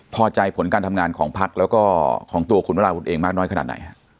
พอใจผลการทำงานของพักแล้วก็ของตัวคุณวราวุฒิเองมากน้อยขนาดไหน